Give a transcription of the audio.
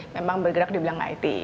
memang bergerak di bidang it